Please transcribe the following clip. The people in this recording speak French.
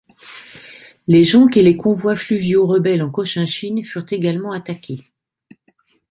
Les jonques et les convois fluviaux rebelles en Cochinchine furent également attaqués.